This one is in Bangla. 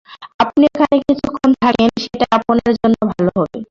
আপনি এখানে কিছুক্ষন থাকেন, সেটাই আপনার জন্য ভাল হবে।